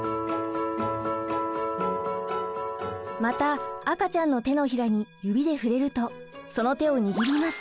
また赤ちゃんの手のひらに指で触れるとその手を握ります。